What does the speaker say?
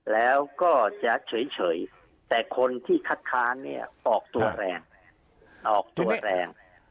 แล้วก็จะเฉยแต่คนที่คัดค้านเนี่ยออกตัวแรงออกตัวแรง